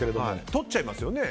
とっちゃいますよね